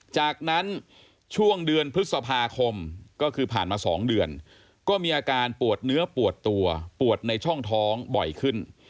จากนั้นช่วงเดือนพฤษภาคมก็คือผ่านมา๒เดือนก็มีอาการปวดเนื้อปวดตัวปวดในช่องท้องบ่อยขึ้น